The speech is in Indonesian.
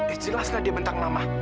eh jelaslah dia bentang mama